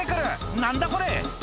何だこれ！」